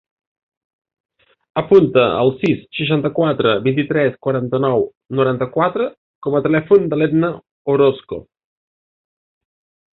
Apunta el sis, seixanta-quatre, vint-i-tres, quaranta-nou, noranta-quatre com a telèfon de l'Etna Orozco.